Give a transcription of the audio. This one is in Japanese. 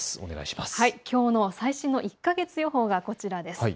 きょうの最新の１か月予報がこちらです。